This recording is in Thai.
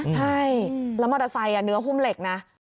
ใช่แล้วมอเตอร์ไซค์เนื้อหุ้มเหล็กนะ